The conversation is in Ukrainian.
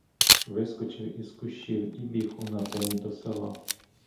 Вискочив із кущів і біг у напрямі до села.